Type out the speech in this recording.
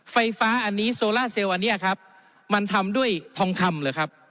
ไฟฟ้าอันนี้โซล่าเซลล์อันนี้ครับมันทำด้วยทองคำเหรอครับ